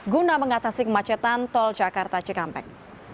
guna mengatasi kemacetan tol jakarta cikampek